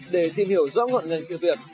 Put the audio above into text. để tìm hiểu rõ ngọn ngành sự việc